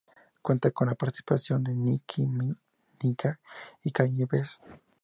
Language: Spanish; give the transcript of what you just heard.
Cuenta con la participación de Nicki Minaj y Kanye West.